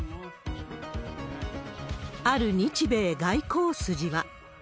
ある日米外交筋は。